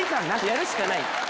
やるしかない。